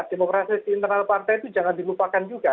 demokrasi di internal partai itu jangan dilupakan juga